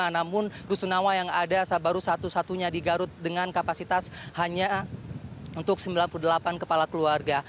namun rusunawa yang ada baru satu satunya di garut dengan kapasitas hanya untuk sembilan puluh delapan kepala keluarga